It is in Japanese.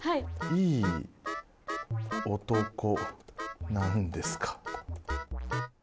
いい男なんですか？